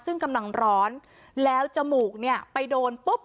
ซึ่งกำลังร้อนแล้วจมูกเนี่ยไปโดนปุ๊บ